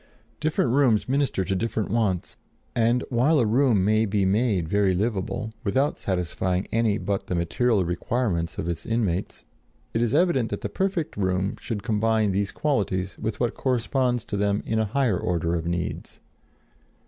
Different rooms minister to different wants and while a room may be made very livable without satisfying any but the material requirements of its inmates it is evident that the perfect room should combine these qualities with what corresponds to them in a higher order of needs.